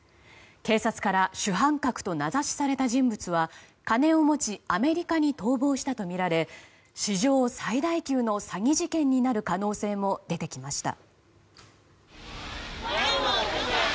警察から主犯格と名指しされた人物は金を持ちアメリカに逃亡したとみられ史上最大級の詐欺事件になる可能性も出てきました。